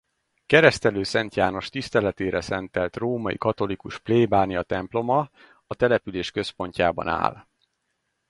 Keresztelő Szent János tiszteletére szentelt római katolikus plébániatemploma a település központjában áll.